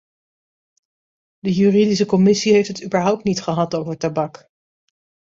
De juridische commissie heeft het überhaupt niet gehad over tabak.